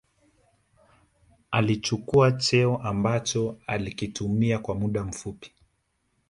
alichukua cheo ambacho alikitumia kwa muda mfupi